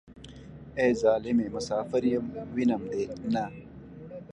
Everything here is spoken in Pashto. ای ظالمې مسافر يم وينم دې نه.